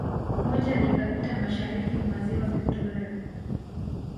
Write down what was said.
Moja likapita mashariki mwa Ziwa Victoria